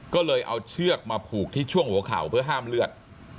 ก็เลยเอาเชือกมาผูกที่ช่วงหัวเข่าเพื่อห้ามเลือด